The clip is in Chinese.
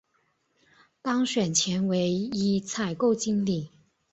当选前为一采购经理。